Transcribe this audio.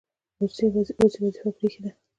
اوس یې وظیفه پرې ایښې ده.